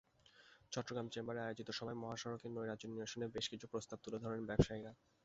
Chittagong chamber আয়োজিত সভায় মহাসড়কে নৈরাজ্য নিরসনে বেশ কিছু প্রস্তাব তুলে ধরেন ব্যবসায়ীরা।